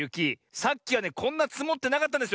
さっきはねこんなつもってなかったんですよ